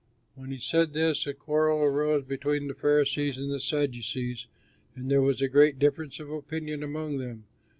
When he said this a quarrel arose between the Pharisees and the Sadducees, and there was a great difference of opinion among them.